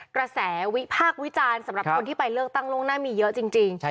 กระแสวิพากษ์วิจารณ์สำหรับคนที่ไปเลือกตั้งล่วงหน้ามีเยอะจริง